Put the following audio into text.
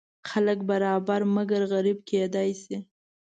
خلک برابر مګر غریب کیدی شي.